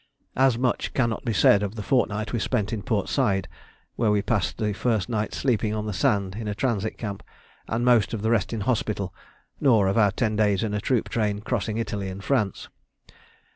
As much cannot be said of the fortnight we spent in Port Saïd, where we passed the first night sleeping on the sand in a transit camp and most of the rest in hospital: nor of our ten days in a troop train crossing Italy and France.